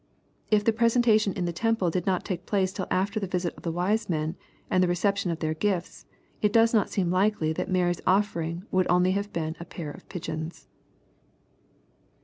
If the presentation in the temple did not take place till after the visit of the wise men, and the reception of their gifts, it does not seem likely that Mary's oflering would only hare been a pair f£ pigeons.